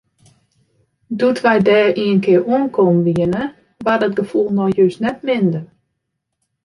Doe't wy dêr ienkear oankommen wiene, waard dat gefoel no just net minder.